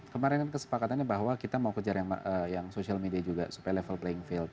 kemarin kan kesepakatannya bahwa kita mau kejar yang social media juga supaya level playing field